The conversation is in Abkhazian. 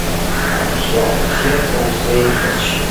Ақәҿиара бзиақәа узеиӷьасшьоит.